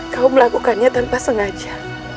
kau melakukannya tanpa sengaja